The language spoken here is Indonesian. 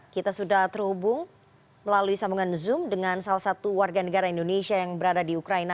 kita sudah terhubung melalui sambungan zoom dengan salah satu warga negara indonesia yang berada di ukraina